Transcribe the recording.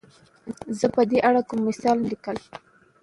زۀ په دې اړه کوم مثال نه شم ليکلی.